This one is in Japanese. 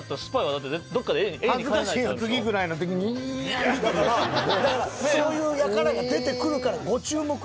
だからそういうやからが出てくるからご注目よ。